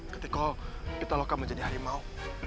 ketika kita lakukan menjadi harimau